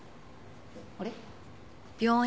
あれ？